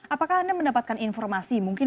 apakah anda mendapatkan informasi